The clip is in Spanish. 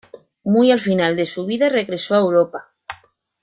Muy al final de su vida regresó a Europa.